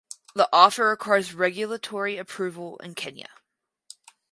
The offer requires regulatory approval in Kenya.